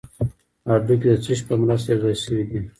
هډوکي د څه شي په مرسته یو ځای شوي دي